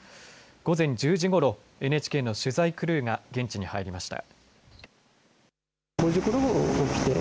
午前１０時ごろＮＨＫの取材クルーが現地に入りました。